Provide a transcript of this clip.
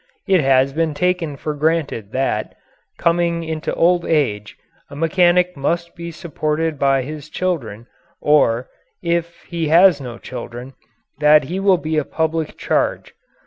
It has been taken for granted that, coming into old age, a mechanic must be supported by his children or, if he has no children, that he will be a public charge.